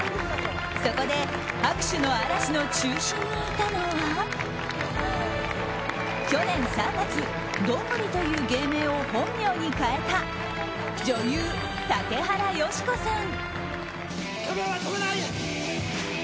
そこで拍手の嵐の中心にいたのは去年３月、どんぐりという芸名を本名に変えた女優・竹原芳子さん。